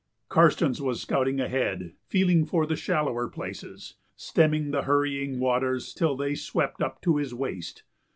Karstens was scouting ahead, feeling for the shallower places, stemming the hurrying waters till they swept up to his waist.